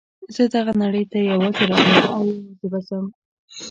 زه دغه نړۍ ته یوازې راغلم او یوازې به ځم.